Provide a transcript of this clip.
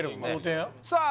さあ